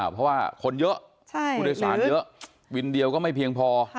เพราะว่าคนเยอะผู้โดยสารเยอะวินเดียวก็ไม่เพียงพอ